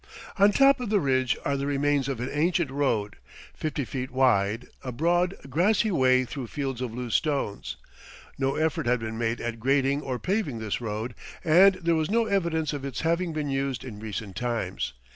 On top of the ridge are the remains of an ancient road, fifty feet wide, a broad grassy way through fields of loose stones. No effort had been made at grading or paving this road, and there was no evidence of its having been used in recent times.